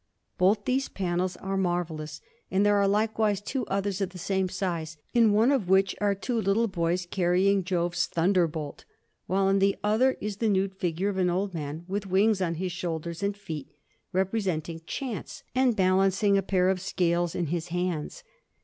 Both these panels are marvellous; and there are likewise two others of the same size, in one of which are two little boys carrying Jove's thunderbolt, while in the other is the nude figure of an old man, with wings on his shoulders and feet, representing Chance, and balancing a pair of scales in his hands.